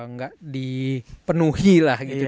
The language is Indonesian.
nggak dipenuhi lah gitu